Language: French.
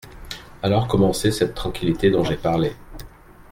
Alors commençait cette tranquillité dont j'ai parlé.